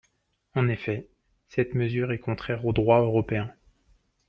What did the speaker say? En effet, cette mesure est contraire au droit européen.